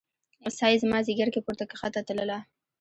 ساه يې زما ځیګر کې پورته کښته تلله